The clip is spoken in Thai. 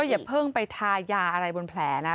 อย่าเพิ่งไปทายาอะไรบนแผลนะ